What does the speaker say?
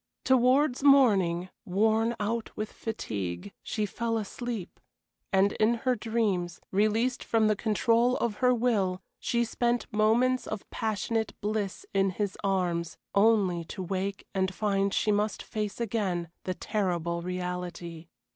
Towards morning, worn out with fatigue, she fell asleep, and in her dreams, released from the control of her will, she spent moments of passionate bliss in his arms, only to wake and find she must face again the terrible reality.